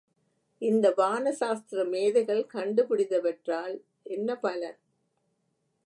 இந்த வான சாஸ்திர மேதைகள் கண்டு பிடித்தவற்றால் என்ன பலன்?